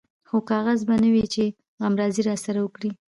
خو کاغذ به نه و چې غمرازي راسره وکړي.